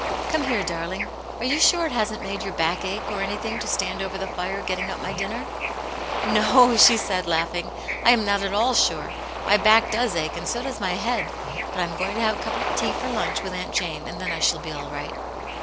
Come here, darling ! Are you sure it hasn't made your back ache, or anything, to stand over the fire getting up my dinner ?"" No," she said, laughing, " I am not at all sure. My back does ache and so does my head. But I am going to have a cup of tea for lunch, with Aunt Jane, and then I shall be all right."